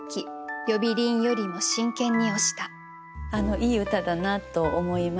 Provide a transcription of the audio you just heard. いい歌だなと思いました。